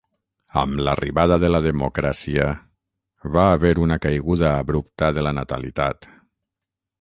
Amb l'arribada de la democràcia, va haver una caiguda abrupta de la natalitat.